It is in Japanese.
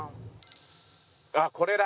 あっこれだ！